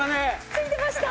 ついてました